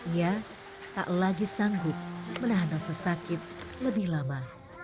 ia tak lagi sanggup menahan rasa sakit lebih lama